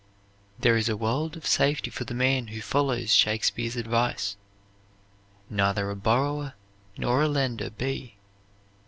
There is a world of safety for the man who follows Shakespeare's advice: "Neither a borrower nor a lender be."